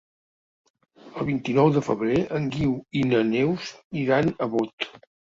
El vint-i-nou de febrer en Guiu i na Neus iran a Bot.